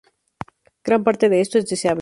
Gran parte de esto es deseable.